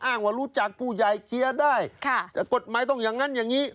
ว่ารู้จักผู้ใหญ่เคลียร์ได้แต่กฎหมายต้องอย่างนั้นอย่างนี้